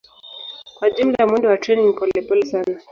Kwa jumla mwendo wa treni ni polepole sana.